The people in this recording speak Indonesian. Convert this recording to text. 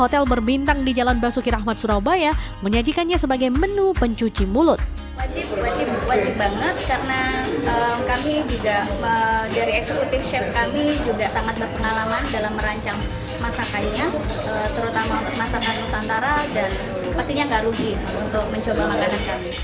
terutama untuk masakan nusantara dan pastinya gak rugi untuk mencoba makanan kami